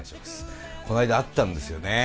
この間会ったんですよねえ。